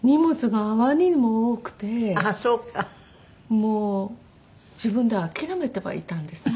もう自分で諦めてはいたんですね。